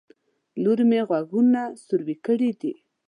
لور مې غوږونه سوروي کړي دي